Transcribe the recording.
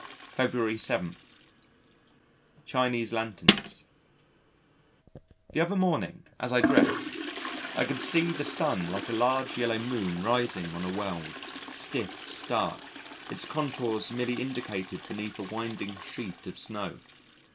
February 7. Chinese Lanterns The other morning as I dressed, I could see the sun like a large yellow moon rising on a world, stiff, stark, its contours merely indicated beneath a winding sheet of snow.